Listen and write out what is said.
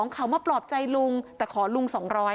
เขามาปลอบใจลุงแต่ขอลุง๒๐๐